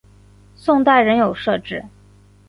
宋代仍有设置。